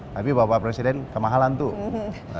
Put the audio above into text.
tapi bapak presiden kemahalan tuh